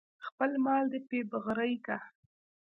خپل مال دې پې بغرۍ که.